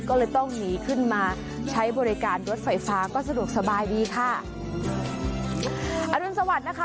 ก็เลยต้องหนีขึ้นมาใช้บริการรถไฟฟ้าก็สะดวกสบายดีค่ะอรุณสวัสดิ์นะคะ